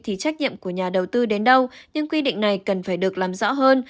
thì trách nhiệm của nhà đầu tư đến đâu nhưng quy định này cần phải được làm rõ hơn